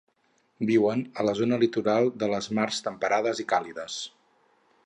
Viuen a la zona litoral de les mars temperades i càlides.